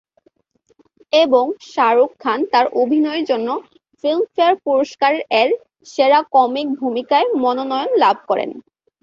এবং শাহরুখ খান তার অভিনয়ের জন্য ফিল্মফেয়ার পুরস্কার এর সেরা কমিক ভূমিকায় মনোনয়ন লাভ করেন।